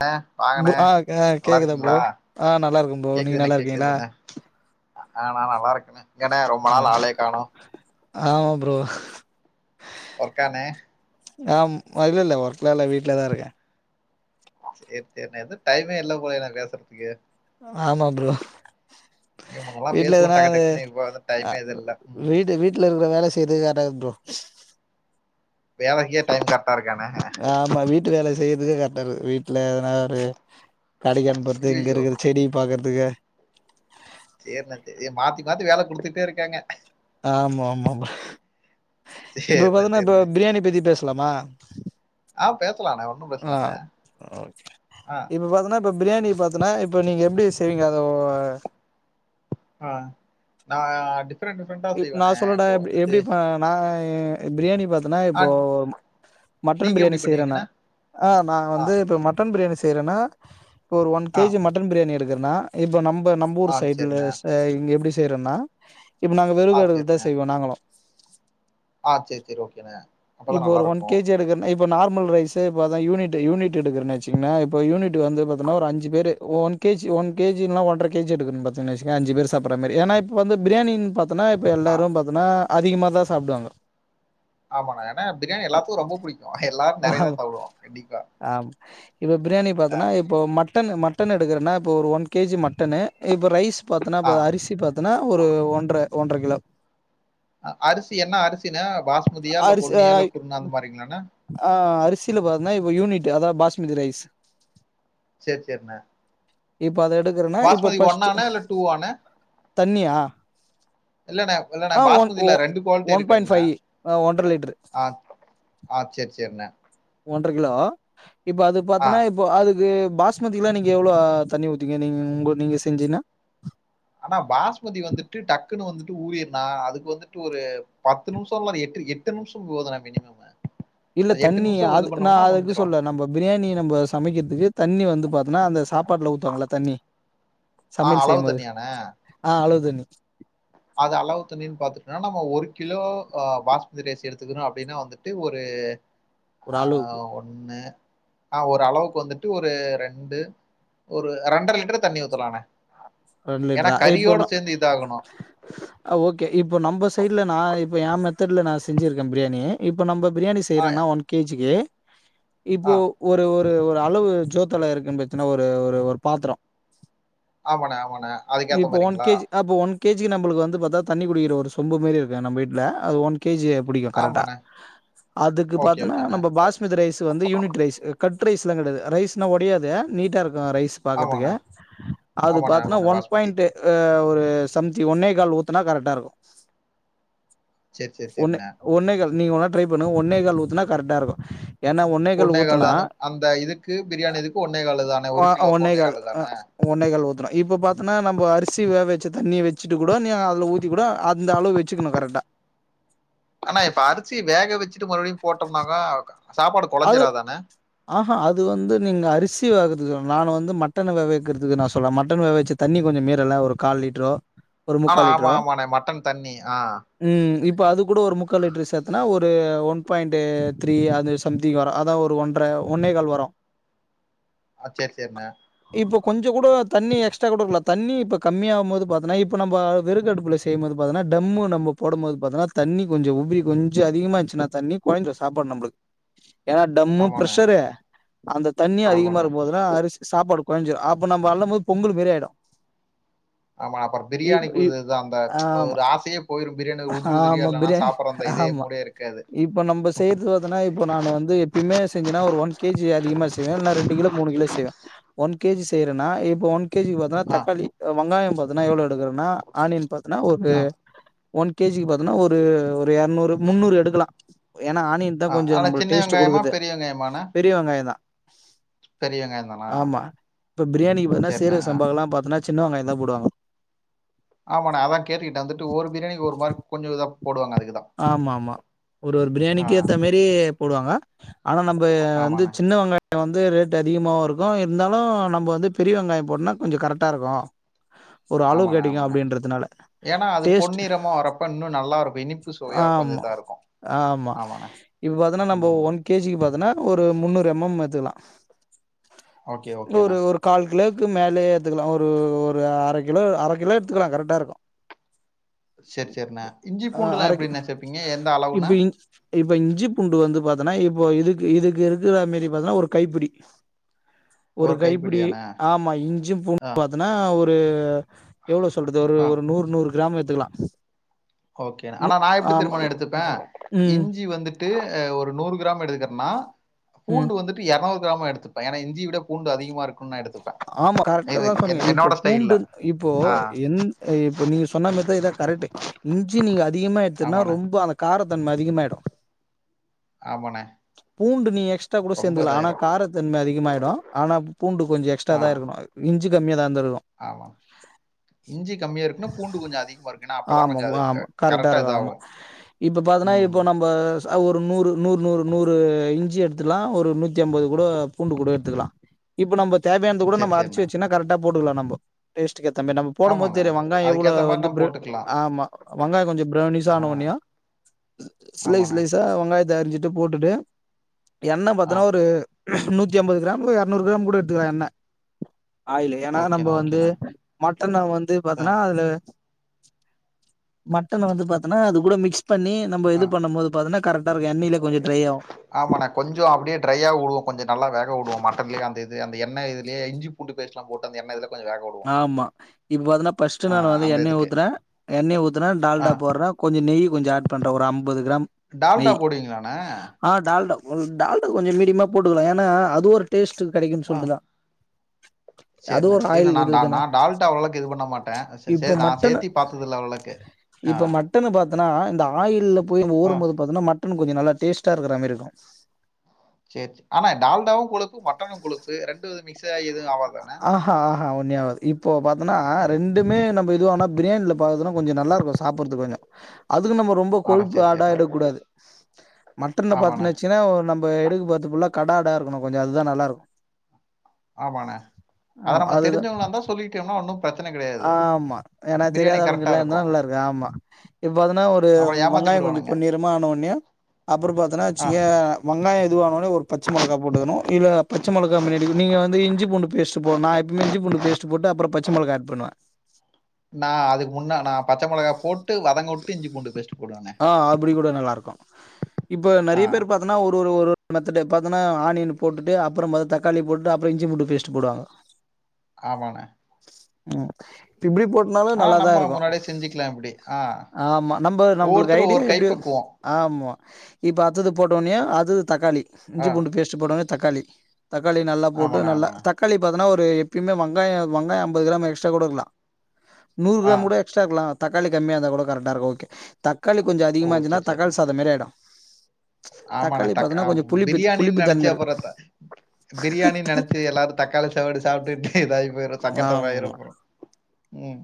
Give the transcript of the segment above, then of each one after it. ன்னே bro வாங்கனே ஆ ஆ நல்லா கேக்குதா ப்ரோ இருக்கீங்களா ஆ நல்லா இருக்கே ப்ரோ நீங்க கேக்குதுானே நல்லா இருக்கீங்களா கேக்குதுானே ஆ நா நல்லா இருக்கே ஏன்னா ரொம்ப நாள ஆளைய காணோ ஆமா ப்ரோ ஒர்க்காண்ணே அ இல்லல்ல ஒர்க்லா இல்ல வீட்லதா இருக்கே சேரி சேரி ண்ணா எது டைமே இல்ல போல நா பேசறதுக்கு ஆமா ப்ரோ நீங்க முன்னெல்லா வீட்ல பேசுவோ எதுனா டக்கு அது டக்குன்னு இப்ப வந்து அ டைமே இது இல்ல ம் வீடு வீடு இல்ல இந்த வேல செய்றது லேட் ஆது ப்ரோ வேலைக்கே டைம் கரக்டா இருக்காண்ணே ஆமா வீட்டு வேலை செய்யறதுக்கே கரெக்டா இருக்குது வீட்ல எனா ஒரு கடைக்கு அனுப்பறது இங்க ஐயையோ இருக்கிற செடிய பாக்கறதுக்கு சேரி ச மாத்தி மாத்தி வேலை குடுத்துட்டே இருக்காங்க ஆமா ஆமா ஆமா இப்ப சேரிண்ணே பாத்தீங்கன்னா இப்ப சேரிண்ணே பிரியாணி பத்தி பேச போலாமா ஆ பேசலாண்ணே ஒன்னு ஆ பிரச்சனல்லண்ணே ஓகே ஆ இப்ப பாத்தீன்னா இப்ப பிரியாணி பாத்தன்னா இப்ப நீங்க எப்படி செய்வீங்க அத ஆ நா டிஃப்ரெண்ட் டிஃப்ரெண்டா நா செய்வோனே சொல்லட்டா இப்போ எப்டி வந்துட்டு எப்டி நா பிரியாணி பாத்தன்னா ஆ இப்போ மட்டன் நீங்க எப்டி பிரியாணி செய்யறேனா பண்ணுவீங்கண்ணே ஆ நான் ஆ வந்து இப்போ மட் மட்டன் பிரியாணி செய்கிறேண்ணா இப்போ ஒரு ஒன் ஆ கேஜி மட்டன் பிரியாணி எடுக்குண்ணா இப்ப நம்ம்ப நம்ப ஊர் ஆ சைட்ல சேரிண்ணே இங்க எப்டி செய்யறேன்னா இப்போ நாங்க ஆ வெறுகேடுக சேரிண்ணே தாசெய்வோ நாங்களு ஆ சேரி சேரி ஓகேண்ண அப்போ தா ஒரு ஒன் நல்லாயிருக்கு கேஜி எடுக்கறன்னா இப்போ நார்மல் ரைஸ் யூனிட் யூனிட் எடுக்கச்ச இ யூனிட் வந்துா ஒரு அஞ்சு பேர் ஒன் கேி ஒன் கேஜிலலாம் ஒன்ற கேி எடுக்கு பாரீங்குச்சேங்க அ்ச பேர் சாிட்ற மாாரி ஏன்ன இப்போ வ பிரியாியின் பாத்தனா இப்ப ஆ, எல்லாரு பாத்தனா அதிகமா தா சாப்புடுவாங்கோ ஆமாங்க ஏன்னா பிரியாணி எல்லாத்துக்கு ரொம்ப புடிக்கு எல்லாரு நெறைய தா சாப்டுவோ கண்டிப்பா ஆ இப்ப பிரியாணி பாத்தன்னா இப்ப மட்டனு மட்டன் எடுக்கறனா இப்ப ஒரு ஒன் கேஜி மட்டனு இப்ப ரைஸ் ஆ. பாத்தன்னா அரிசி பாத் துனா ஒரு ஒன்ற ஒன்ற கிலோ அரிசி என்ன அரிசிண்ணே பாஸ்மதியா இல்ல அரிசி ஆ பொன்னியா இல்ல குருனா அந்த மாரிங்ளாணே ஆ அரிசில பாத்தன்னா இப்ப யூனிட் அதாது பாஸ்மதி ரைஸ் சேர் சேரிண்ணே இப்ப அத எடுக்கறனா இப்ப ஃபர்ஸ்ட் ஆண்ணே? இல்ல ஆண்ணே? தண்ணியா இல்லண்ணே இல்லண்ணே ஆ ஒன் ஒ பாஸ்மதில ரெண்டு குவாலிட்டி ஒன் பாயிண்ட் இருக்குண்ணே ஃபைவ் ஒன்றரை லிட்டரு ஆ அ சேரி சேரிண்ணே ஒன்றகிலோ இப்ப அது ஆ. பாத்தன்னா இப்போ அதுக்கு பாஸ்மதிலா நீங்க எவ்ளோ தண்ணி ஊத்துவிங்க நீங் உங் நீங்க செஞ்சிங்னா ஆனா பாஸ்மதி வந்துட்டு டக்குன்னு வந்துட்டு ஊரியர்னா அதுக்கு வந்துட்டு ஒரு பத்து நிமிஷம் இல்ல எட்டு எட்டு பத்து நிமிஷம் போதுணா மினிமம் இல்ல அது தண்ணி நிமிஷம் இது அது நா பண்ணோம்னா அதுக்கு முடிஞ்சிரும். சொல்ல நம்போ பிரியாணி நம்போ சமைக்கிறதுக்கு தண்ணி வந்து பாரத்தோனா அந்த சாப்பாட்ல ஊத்துவாங்ளா தண்ணி ஆ சமையல் அளவு செய்யும்போது தனியா? ஆ அளவு தண்ணி அது அளவு தண்ணின்னு பாத்துட்டோம்னா நம்ம ஒரு கிலோ ஆ பாஸ்மதி ரைஸ் எடுத்துக்கணோம் அப்டின்னா வந்துட்டு ஒரு ஒரு ஆ அளவுக்கு ஒன்னு அ ஒரு அளவுக்கு வந்துட்டு ஒரு ரெண்டு ஒரு ரெண்டர லிட்டரு தண்ணி ஊத்தலாண்ணே ரெண்டு லிட்டரா எய் இப்பவேணா ஆ ஓகே இப்போ நம்ப சைட்ல நா இப்போ எயா மெத்தட்ல நா செஞ்சிருக்கே பிரியாணி இப்போ நம்போ பிரியாணி ஆ செய்யறோன்னா ஒன் கே ஜி க்கு ஆ இப்போ ஒரு ஒரு ஒரு அளவு ஜோர்த்தல இருக்குன்னு பத்தினா ஒரு ஒரு ஒரு பாத்திரோ ஆமாண்ண ஆமாண்ண இப்ப ஒன் கே ஜி அப்ப ஒன் கே ஜி க்கு நம்மளுக்கு வந்து பாத்தா தண்ணி குடிக்கிற ஒரு சொம்பு மாரி இருக்கு நம்ப வீட்டில அது ஒன் கே ஜி அ ப் புடிக்கு கரெக்டா ஆமாண்ணே அதுக்கு ஓகே பாத்தன்னா ஓகேண்ணே நம்ப பாஸ் மதி ரைஸ் வந்து யூனிட் ரைஸ் கட் ரைஸ்லாம் கெடையது ரைஸ்ன ஒடையாது நீட்டா இருக்கு ரைஸ் பாக்கர்துக்க ஆமாண்ணே அது ஆமாண்ணே பாத்தன்னா ஆமாண்ணே ஒன் பாஸ்மதி பாயிண்ட் அ ஒரு சம்திங் ஒன்னே கால் ஊத்துனா கரெக்டா இருக்கு சரி சரி ஒன்னு சரிண்ணே ஒன்னே கால் நீ வோண்ணா ட்ரை பண்ணு ஒன்னே கால் ஊத்துனா கரெக்டா இருக்கு ஏன்னா ஒன்னே கால் ஊத்துனா அந்த அந்த இதுக்கு பிரியாணி இதுக்கு ஒன்னே கால் தானே ஒரு அ அ கிலோக்கு ஒன்னே காலு கால் அ தானே ஒ ஒன்னே கால் ஊத்துனோ இப்போ பாத்தன அரிசி வேவ வச்ச தண்ணிய வெச்சுட்டு நீ அதுல ஊத்தி கூடோ அந்த அளவு வெச் வெச்சிக்குனு கரெக்ட்டா ஆனா இப்ப அரிசி வேக வெச்சுட்டு மறுபடியு போட்டோம்னாக்கா சாப்பாடு குலைஞ்சிறாதாணே ஆ ஹா அது வந்து நீங்க அரிசி வேகர்துக்கு நானு வந்து மட்டன வேக வேவெக்கிறதுக்கு நா சொல்ல மட்டன் வேவெச்ச தண்ணி கொஞ்சோ மீறோல்ல ஒரு கால் லிட்ரோ ஆனா ஆமா ஆமாண்ணே மட்டன் தண்ணி ஆ ம் இப்போ அது கூடோ ஒரு முக்கா லிட்டர் சேத்தோனா ஒரு ஒன் பாயிண்ட் த்ரீ அது சம்திங் வரோ அதா ஒரு ஒன்ற ஒன்னே கால் வரோ அ சேர் சேரிண்ண இப்போ கொஞ்சோ கூடோ தண்ணி எக்ஸ்ட்ரா குடுக்கலா தண்ணி இப்போ கம்மியாவும் போது பாத்தன்னா நம்போ விரகு அடுப்புல செ செய் போது பத்தாம்னா டம்மு நம்போ போடம் போது பாத்தீனா தண்ணி கொஞ்சோ உபுரி கொஞ்ச அதிகமா இருஞ்சினா தண்ணி கொய்ந்த சாப்பாட்னு நம்ளுக்கு ஏன்னா டம்மு ஆமாண்ணே பிரஷரு அந்த தண்ணி அதிகமா ஆமாண்ணே இருக்குபோது இப்பதா அரிசி சாப்பாடு கொலஞ்சிடும் அப்ப நம்ம அள்ளும் போது பொங்கல் மாரி ஆயிடு ஆமா அப்பறோ பிரியாணிக்கு இப் உதிது அந்த ஆமா, ஒரு ஆசையே போயிடும் பிரியாணி உதிரி உதிரி ஆமா. இல்லன்னா பிரியாணி சாப் ஆமா இப்ப நம்ம செய்றது பாத்தனா இப்போ நானு வந்து எப்பயுமே செஞ்சன்னா ஒரு ஒன் கே ஜி அதிகமா செய்வே இல்ல ரெண்டு கிலோ மூணு கிலோ செய்வே ஒன் கே ஜி செய்றேனா இப்ப ஒன் கே ஜி வ ஆ தக்காளி வங்காயோ பாத்தன்னா எவ்ளோ எடுக்கறனா ஆனியன் பாத்தன்னா ஒரு ஆ ஒன் கே ஜி க்கு பாத்தன்னா ஒரு ஒரு எரநூறு முன்னூறு எடுக்கலா ஏனா ஆனியன் தா ஆ கொஞ்சோ ஆனா நம்மளுக்கு சின்ன டேஸ்ட் வெங்காயமா குடுக்குறது பெரிய வெங்காய மாண்ணே பெரிய வெங்காயந் தா வெங்காயம் தானா ஆமா இப்ப ப்ரியாணிக்கு பாத்தன்னா சரிண்ணே ஆ சீரகசம்பாக்கு எல்லா பாத்தன்னா சின்ன வெங்காயோந்தா போடுவாங்க ஆமாண்ணே அதான் கேட்டுட்டே வந்துட்டு ஒரு ப்ரியாணிக்கு ஒரு மாரி கொஞ்சோ இதாக போடுவாங்க அது க்குதான் ஆமாம்மா ஒரு ஒரு பிரியாணிக்கு ஏத்த மாரி போடுவாங்க ஆனா நம்ப வந்து ஆமாண்ணே சின்ன வெங்காயோ ஆனா வந்து ரேட் அதிகமாகவும் ருக்கும் ருந்தாலும் நம்ம வந்து பெரிய வெங்காயோ போட்டனா கொஞ்சோ கரெக்டாருக்கும் ஒரு அளவு ஆமாண்ணே கிடிக்கும் ஆமாண்ணே அப்டின்றதுனால ஏன்னா அது டேஸ்ட் பொன்னிறமா வரப்ப இன்னும் நல்லாருக்கும் இனிப் ஆம்மா ஆம்மா ஆமாண்ணே இப்ப பாத்தீன்னா நம்ம ம் ஒன் கே ஜிக்கு பாத்தன்னா ஒரு முன்னூறு எம் எம் எடுத்துக்கலாம் ஓகே ஓகேண்ணே ஒரு ஒரு கால் கிலோவுக்கு மேலே எடுத்துக்கலாம் ஒரு ஒரு அர கிலோ அர கிலோ எடுத்துக்கலாம் கரெக்டாருக்கும் செர் செரிண்ணே இஞ்சி ஆ பூண்டெல்லாம் அர கி எப்படிண்ணே சேப்பீங்க எந்த இப்ப அளவுண்ணே இஞ் இப்ப இஞ்சிப்பூண்டு வந்து பாத்தன்னா இப்போ இதுக்கு இதுக்கு இருக்குற மாரி பாத்தீன்னா ஒரு கைப்பிடி ஒரு கைப்பிடி ஆமா இஞ்சி ஆ பூண்டுன்னு பாத்தன்னா ஒரு எவ்ளோ சொல்றது ஒரு ஆ ஒரு நூர் நூறு கிராம் எடுத்துக்கலாம் ஓகேண்ணே ஆனா நா எப்டி தெரியுமா எடுத்துப்பேன் ம் இஞ்சி வந்துட் டு ஒரு நூறு கிராம் எடுத்துக்றனு ண்ணா ம் பூண்டு வந்து இஞ்சி இருநூறு கிராமா எடுத்துப்பே‌ இஞ்சியவிட பூண்டு அதிகமா இருக்கும்னு நா எடுத் ஆமா கரெக்டா தான் சொன்னீங்க இப்போ ஸ்டைல்ல. பூண்டு இப்போ ஆ எந் இப்ப நீங்க சொன்ன மாரி தா இதுதா கரெக்ட் இஞ்சி நீங்க அதிகமா எடுத்திர்ன்னா ஆமாண்ணே, ரொம்ப அத காரத்தன்ம அதிகமாயிடும் ஆமாண்ணே பூண்டு நீ எக்ஸ்ட்டா கூட ரொம்ப சேந்துக்கலாம் ஆனா இதாயிரும். காரத்தன்ம அதிகமாயிடும் ஆனா பூண்டு கொஞ்சோ எக்ஸ்ட் டா தான் இருக்கணு இஞ்சு கம்மிய தான் இருந்துர்க்கணு ஆமா இஞ்சி கம்மியா ருக்கணு பூண்டு கொஞ்சோ அதிகமாருக்கணு அப்பதா ஆமா கொஞ்சோ அது அ ஆமா கரெக்டா இருக்கு ஆமா இதாகும் இப்ப பாத்தனா ம். இப்ப நம்ம ஒரு நூறு நூறு நூறு நூறு இஞ்சி எடுத்துக்கலா ஒரு நூத்தி அம்பது கூட பூண்டு கூட எடுத்துக்கலா இப்ப நம்ப தேவயானது கூட சரி, நம்ம அரச்சு சரிண்ணே. வச்சன்னா கரெக்டா போட்டுக்கலா நம்ப டேஸ்ட்டு கேத்தா மாணி நம் போடும் போது ஆமாண்ணே. தெரியு வெங்காயோ எவ்வளோ அதுக்கேத்த மாரி வந்து நம்ம ப்ரவ் போட்டுக்கலாம். ஆமா வெங்காயோ கொஞ்சோ பிரௌனிஷா ஆ ஆன ஒன்னியு ஸ்லிஸ் ஆமாண்ணே. ஸ்லிஸ் சா வெங்காயத்த அறுஞ்சிட்டு ட்டு போட்டுட்டு எண்ணெ ஆ. பாத்தன்னா ஒரு நூத்தி அம்பது கிராம் எரநூறு கிராம் கூட எ த்து எண்ணெ ஆயில்லு ஏன்னா நம்ப ஓகேண்ணே, வந்து ஓகேண்ணே. மட்டன வந்து அ பாத்தோன்னா அதுல மட்டன வந்து பாத்தன்னா அது கூட மிக்ஸ் பண்ணி நம்ப ஆ. இது பண்ணும் போது பாத்தன்னா கரெக்டாருக்கும் எண்ணெய்ல கொஞ்சோ ட்ரையாகும் ஆமாண்ணே கொஞ்சோ அப்டியே ட்ரையாக வுடுவோம் கொஞ்சோ நல்லா வேக விடுவோம் மட்டன்லே அந்தது அந்தண்ணெய்துலயே இஞ்சி பூண்டு பேஸ்ட்லா போட்டு அந்த எண்ண இதுல கொஞ்சம் வேக வுடுவோம். ஆமா இப்ப பாத்தன்னா ஃபர்ஸ்ட் ஆ நானு வந்து அந்த எண்ணெய இதுக்கு. ஊத்தற எண்ணெய்ய ஊத்தற ஆ டால்டா போட்ற கொஞ்ச நெய் கொஞ்ச ஆட் பண்ற ஒரு அம்பது கிராம் டால்டா நெய் போடுவீங்களாண்ண ஆ டால்டா டால்டா கொஞ்சோ மீடியமா போட்டுக்கலா ஏன்னா அது ஒரு டேஸ்டு கெடைக்குன்னு சொல்ட்டுதா அது சேரிண்ண ஒரு இ ஆயில் நா இதுதான நா டால்டா அவ்வளவுக்கு இது பண்ண மாட்ட சே இப்ப நா மட்டனு சேத்தி பாத்ததுல்ல அவ்ளக்கு இப்ப மட்டன்னு பாத்தன்னா இந்த ஆயில்ல போய் ஆ ஊரும்போது பாத்தன்னா மட் இன்னு கொஞ்ச நல்லா டேஸ்டா இருக்ற மேரி இருக்கும் சேரி ஆனா டால்டாவு கொழுப்பு மட்டனு கொழுப்பு ரெண்டு மிக்ஸ் ஆயி எதுவு ஆவதாண்ண ஆஹா ஆஹா ஒன்ஞு ஆவாது இப்போ பாத்தன்னா ரெண்டுமே நம்ம இதுவானா பிரியாணியில பாக்கதன கொஞ்ச நல்லாருக்கும் சாப்பட்றதுக்கு கொஞ்சோ அதுக்குன் நம்ம ரொம்ப அட கொழுப்பு சரி, ஆடா சரிண்ணே. எடுக்கூடாது மட்டன் ஆமாண்ணே, பாத்தன்னச்சுனா நம் இப்ப எடுக்கபோது ஃபுல்லா கட ஆடா இருக்கணு கொஞ்ச அதுதா நல்லாருக்கு ஆமாண்ண அத ஆ நம்ம அதுதா தெரிஞ்சவங்களாந்தா சொல்லிடேம்னா ஒன்னு பிரச்சன கிடையாது ஆமா ஏன்னா பிரியாணி தெரியாத கரெக்டா ஆளுங்கல்லா இருக்கு இருந்தா நல்லா ஆமா இப்ப பாத்தன்னா ஒரு ஏமாத்தி வெங்காயோ கொஞ்ச புடுவானுங்க. பொன்னிறமா ஆனோன்னே அப்பற பாத்தனா ஆ. வச்சியே வெங்காயோ இதுவானோனே ஒரு பச்ச மொளகா போட்டுக்கணு இல்ல பச்ச மொளகா முன்னாடி நீங்க வந்து இஞ் பூண்டு பேஸ்ட் போட்னு நா எப்பமே இ்ஞ்சிபூண்டு பேஸ்ட் போட்டு அப்பற பச்சமொளகா ஆட் பண்ணுவ நா அதுக்கு முன்ன நா பச்ச மொளகா போட்டு வதங்க உட்டு இஞ்சி பூண்டு பேஸ்ட் போடுவண்ண அ அப்டி கூட நல்லாருக்கு இப்ப ஆ நெறைய பேர் பாத் பாத்தனா ஒரு ஒரு மெத்தடு பாத்தனா ஆனியன் போட்டுட்டு அப்புறோ மொத தக்காளி போட்டுட்டு அப்புறோ இஞ்சி பூண்டு பேஸ்ட் போடாங்கோ ஆமாண்ண ஃபிப்ரி போட்னாலு நல்லாதா இருக்கோ க்கலாப்டி ஆமா நம்ம நம்மளுக்கு ஐடியா எப்டி கைப்பக்குவோம் ஆமா இப்ப அத்தது போட்டோனே அது தக்காளி ஆ இஞ்சி பூண்டு பேஸ்ட் போட்டோனே தக்காளி தக்காளி நல்லா போட்டு ஆமாண்ணே நல்லா ஆமாண்ணே தக்காளி பாத்தனா ஒரு எப்பயுமே வங்காயோ வங்காயோ அம்பது கிராம் எக்ஸ்ட்ரா கூடக்கலா நூறு ஆ கிராம் கூட எக்ஸ்டா இருக்கலா தக்காளி கம்மியா இருந்தா கூட கரட்டா இருக்கு ஓகே தக்காளி கொஞ்ச அதிகமா இருந்துச்சினா தக்காளி சாதம் மாரி ஆய்டு ஆமாண்ண தக்க கொஞ்சம் புளிப்பு பிரியாணின்னு புளிப்பு நெனைச்சு தன்ம இருக்கு. அப்பறோ பிரியாணினு நெனைச்சு எல்லாரு தக்காளி சவடு சாப்ட்டு இதாகி போய்ரு சங்கட்டம் ஆய்ரு ஆமாமா. அப்பறோ ம்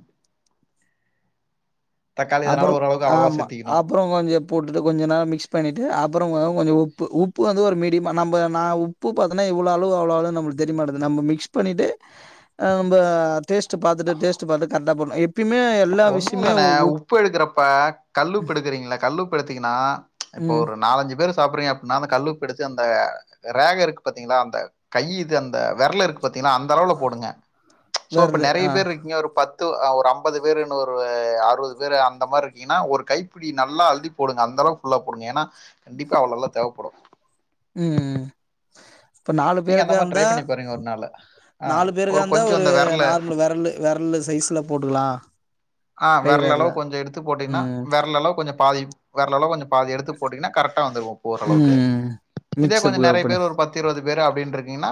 தக்காளி இதனால ஓரளவுக்கு அளவா சேத்திக்கிணு அப்புறோ கொஞ்ச போட்டுட்டு கொஞ்ச நேரோ மிக்ஸ் பண்ணிட்டு அப்பறோ கொஞ்ச உப்பு உப்பு வந்து ஒரு மீடியம் நம்ம நா உப் பு பாத்தன இவ்ளோ அளவு அவ்ளோ அளவுணு நம்ளுக்கு தெரியமாட்டுது நம்ப மிக்ஸ் பண்ணிட்டு அ நம்ப டேஸ்ட் பாத்துட்டு டேஸ்ட் பாத்து கரெக்டா பண்ணோ எப்பயுமே எல்லா ஒண்ணு விஷ்யமே இல்லண்ணே உப்பு எடுக்குறப்ப கல்லுப்பு எடுக்கிறீங்கள கல்லுப் எடுத்தீங்கன்னா இப்ப ம் ஒரு நாலஞ்சு பேரு சாப்பறீங்க அப்டின்னா அந்த கல்லுப்பிடிச்சி அந்த ரேக இருக்கு பாத்தீங்களா அந்த கை இது அந்த வெரல் இருக்கு பாத்தீங்கன்னா அந்த அளவுல போடுங்க சோ இப்ப வெரலு நெறைய ஆ பேர் இருக்கீங்க ஒரு பத் து ஒரு அம்பது பேரு ஒரு அறுவது பேரு அந்த மாரி இருக்கீங்கன்னா ஒரு கைப்பிடி நல்லா அள்ளி போடுங்க அந்தளவு ஃபுல்லா போடுங்க ஏன்னா கண்டிப்பா அவ்ளெல்லா தேவப்படு ம்ம் இப்ப நாலு நீங்க அந்த மாரி ட்ரை பேருக்காந்தா பண்ணி பாருங்க ஒரு நாளு ஆ நாலு பேருக்காந்தா கொஞ்சம் ஒரு அந்த விரல நார்மல் வெரல்லு வெரல்லு சைஸ்ல போட்டுக்லா ஆ வெரல் அளவு கொஞ்சோ எடுத்து போட்டீங்கனா ம் வெரல் அளவு கொஞ்சோ பாதி வெரல் அளவு கொஞ்சோ பாதி எடுத்து போட்டீங்கனா கரெக்டா வந்துரு போர்ற அளவுக்கு ம் இதே மிக்ஸ்அப் கொஞ்சம் நெறய பண்ணு பேர் ஒரு பத் இருபது பேர் அப்டின் இருக்கீங்கனா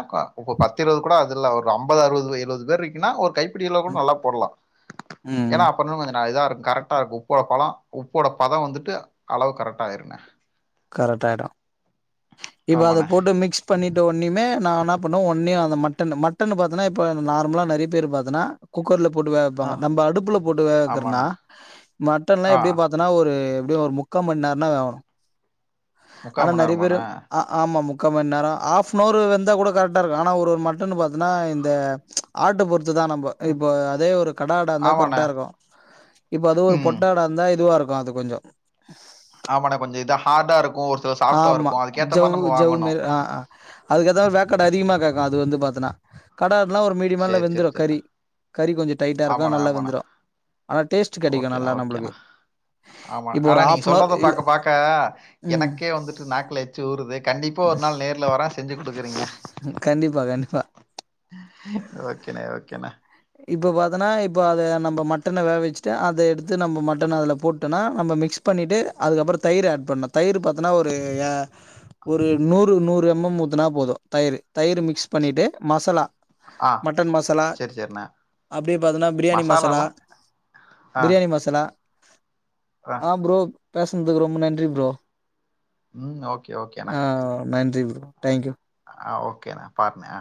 பத்து இருபது கூட அதுல ஒரு ஐம்பது அறுபது எழுபது பேர் இருக்கினா ஒரு கை இப்படியெல்லா கூட ம் நல்லா போட்லா ம் கொஞ்சோ நஞ்சனா இதா இருக் கரெக்டா இருக்கு உப்பு ஒரப்பெல்லா உப்போட பத வந்துட்டு அளவு கரெக்டா ஆய்ருங்க கரெக்ட் ஆய்டு இப்ப அத ஆமாண்ணே போட்டு மிக்ஸ் பண்ணிட்டு ஒன்னிமே நா இன்னா பண்ணுவ ஒன்னு அந்த மட்டன் மட்டன் பாத்தனா இப்ப நார்மலா நெறய பேர் பாத்தனா குக்கர்ல போட்டு வேக ஆ வைப்பாங்க நம்ம அடுப்புல போட்டு வேக வக்கிறனா ஆமாண்ணே மட்டன்லா ஆ எப்டி பா தனா ஒரு எப்டிய ஒரு முக்கா மண் நேரனா வேவணு முக்கால் ஆனா மணி நெறய பேரு நேரமாண்ணே ஆமா முக்கா மணி நேர ஹாஃப் அன் ஹவரு வெந்தா கூட கரெக்டா இருக்கு ஆனா ஒரு ஒரு மட்டனு பாத்தனா இந்த ஆட்ட பொறுத்து தா நம்ம இப்போ அதே ஒரு கடா ஆடா இருந்தா ஆமாண்ணே கரெக்டா இருக்கு இப்ப அது ஒரு ம் பொட்டாடா ந்தா இதுவா இருக்கு அது கொஞ்சோ ஆமாண்ணே கொஞ்சோ இது ஹார்டா இருக்கு ஒரு சில சாஃப்டாக ஆமா இருக்கும் அதுக்கேற்ற மாதிரி ஜவ்வு நம்ம ஜவ்வு வாங்கணும் மேரி ஆ ஆ அதுக்கு ஏத்த மாரி வேக்காடு அதிகமா கேக்கு அது வந்து பாத்தனா கடா ஆடுல்லா ஒரு மீடியமால சரி சரி வெந்துடு கறி சரிண்ணே கறி கொஞ்சோ டைட்டா இருக்கு ஆமாண்ணே நல்லா ஆமாண்ணே வெந்துடு ஆனா டேஸ்ட் கெடைக்கு ஓகேண்ணே நல்லா ஓகேண்ணே நம்பளுக்கு ஆமா இப்போ ஆனா ஒரு நீங்க ஹாஃப்னவர் சொல்றத இல்ல பாக்க பாக்க ம் எனக்கே வந்துட்டு நாக்குல எச்சு ஊறுது கண்டிப்பா ஒரு நாள் நேர்ல வர செஞ்சு குடுக்குறீங்க கண்டிப்பா கண்டிப்பா ஓகேன்ன ஓகேன்ன இப்போ பாத்தனா இப்போ அத நம்ம மட்டன வேக வச்சுட்டு அத எடுத்து நம்ம மட்டன் அதுல போட்டோனா நம்ம மிக்ஸ் பண்ணிட்டு அதுக்கப்பற தயிர் ஆட் பண்ணு தயிர் பாத்தனா ஒரு அ ஒரு நூறு நூறு எம் எம் ஊத்துனா போது தயிரு தயிர் மிக்ஸ் பண்ணிட்டு மசலா ஆ செர் செரிண்ண அப்டியே பாத்தனா பிரியாணி மசலா ஆ, பிரியாணி மசலா ஆ ப்ரோ பேசுனதுக்கு ரொம்ப நன்றி ப்ரோ ம். ஓகே, ஓகேண்ணே. ஆ நன்றி ப்ரோ தேங்க்யூ ஆ ஓகேன்ன பாருனே ஆ